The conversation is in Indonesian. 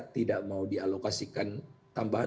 tidak mau dialokasikan tambahan